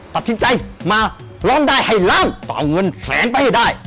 ตัดสินใจมาร้องได้ให้ล้านต้องเอาเงินแสนไปให้ได้